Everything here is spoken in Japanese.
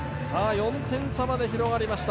４点差まで広がりました。